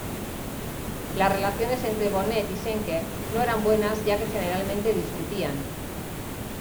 Las relaciones entre Bonnet y Schenker no eran buenas ya que generalmente discutían.